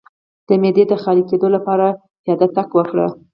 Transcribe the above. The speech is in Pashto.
د معدې د خالي کیدو لپاره پیاده تګ وکړئ